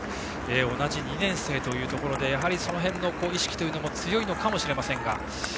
同じ２年生というところでやはり、その辺の意識も強いのかもしれません。